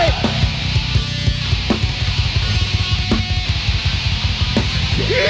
ยอมไป